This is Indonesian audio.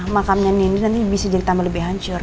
makam indi indi bisa jadi tambah lebih hancur